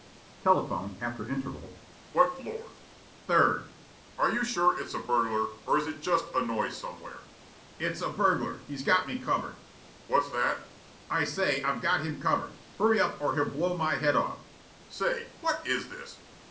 Telephone, after interval: "What floor?" Smilk: "Third." Telephone: "Are you sure it's a burglar, or is it just a noise somewhere?" Smilk: "It's a burglar. He's got me covered." Telephone: "What's that?" Smilk: "I say, I've got him covered. Hurry up or he'll blow my head off " Telephone: "Say, what IS this?